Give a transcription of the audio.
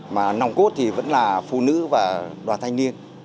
mà nòng cốt thì vẫn là phụ nữ và đoàn thanh niên